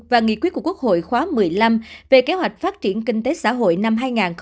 và nghị quyết của quốc hội khóa một mươi năm về kế hoạch phát triển kinh tế xã hội năm hai nghìn hai mươi